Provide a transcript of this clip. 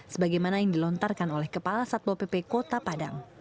sebagaimana yang dilontarkan oleh kepala satpo pp kota padang